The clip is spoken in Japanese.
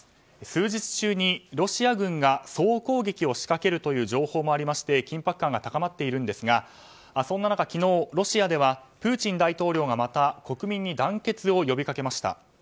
数日中にロシア軍が総攻撃を仕掛けるという情報もありまして緊迫感が高まっているんですがそんな中、昨日ロシアではプーチン大統領がまた国民に団結を呼びかけました。